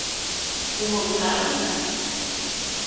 УМЫЛТАРЫЗА!